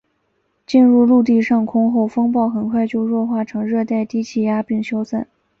进入陆地上空后风暴很快就弱化成热带低气压并消散。